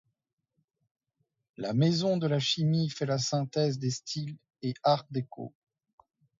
La maison de la Chimie fait la synthèse des styles et Art déco.